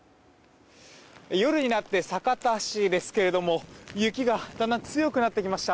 夜になった酒田市ですが雪がだんだん強くなってきました。